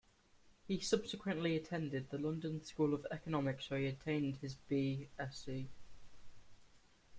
He subsequently attended the London School of Economics where he obtained his B. Sc.